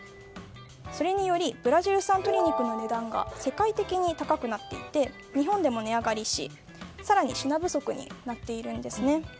それによりブラジル産鶏肉の値段が世界的に高くなっていて日本でも値上がりし更に品不足になっているんです。